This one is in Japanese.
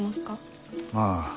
ああ。